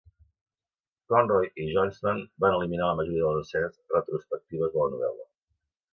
Conroy i Johnston van eliminar la majoria de les escenes retrospectives de la novel·la.